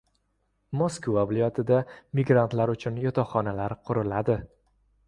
Moskva viloyatida migrantlar uchun yotoqxonalar quriladi